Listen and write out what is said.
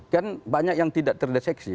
kan banyak yang tidak terdeteksi